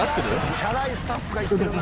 チャラいスタッフが行ってるな。